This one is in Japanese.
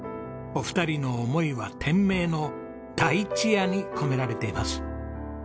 お二人の思いは店名の「だいちや」に込められています。